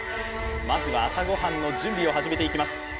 まずは朝御飯の準備を始めていきます。